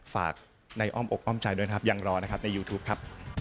ฝากในอ้อมอกอ้อมใจด้วยนะครับยังรอนะครับในยูทูปครับ